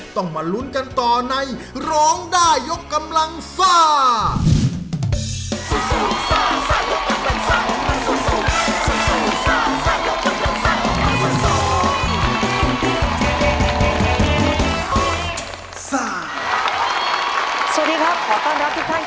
ต้องมาลุ้นกันต่อในร้องได้ยกกำลังซ่า